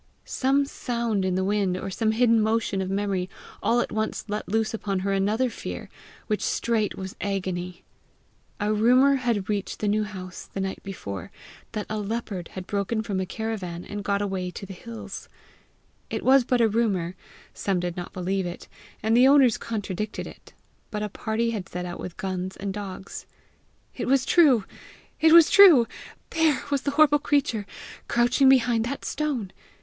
Some sound in the wind or some hidden motion of memory all at once let loose upon her another fear, which straight was agony. A rumour had reached the New House the night before, that a leopard had broken from a caravan, and got away to the hills. It was but a rumour; some did not believe it, and the owners contradicted it, but a party had set out with guns and dogs. It was true! it was true! There was the terrible creature crouching behind that stone!